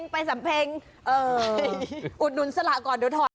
ไปสำเพ็งอุดหนุนสละก่อนเดี๋ยวถอด